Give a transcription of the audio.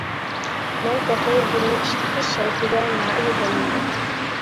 مەن تېخى بۇنى ئىشلىتىش «شەرىپىگە» نائىل بولمىدىم.